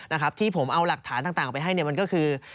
นะครับที่ผมเอาหลักฐานต่างไปให้เนี่ยมันก็คือ